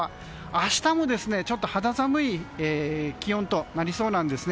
明日もちょっと肌寒い気温となりそうです。